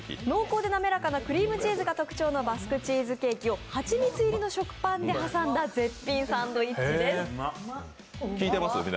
濃厚でなめらかなクリームチーズが絶品のバスクチーズケーキを蜂蜜入りの食パンで挟んだ絶品サンドイッチです。